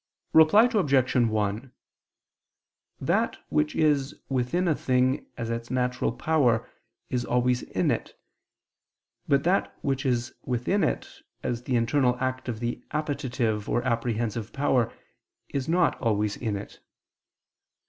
Reply Obj. 1: That which is within a thing as its natural power, is always in it: but that which is within it, as the internal act of the appetitive or apprehensive power, is not always in it.